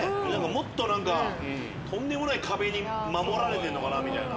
もっと何かとんでもない壁に守られてんのかなみたいな。